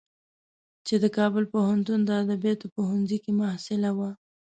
چې د کابل پوهنتون د ادبیاتو پوهنځی کې محصله وه.